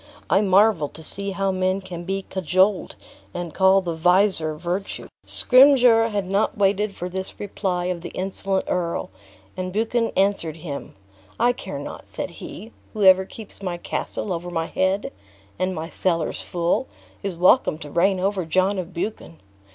I marvel to see how men can be cajoled and call the visor virtue." Scrymgeour had not waited for this reply of the insolent earl, and Buchan answered him: "I care not," said he; "whoever keeps my castle over my head, and my cellars full, is welcome to reign over John of Buchan.